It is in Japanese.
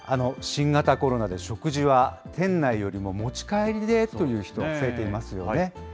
新型コロナで、食事は店内よりも持ち帰りでという人も増えていますよね。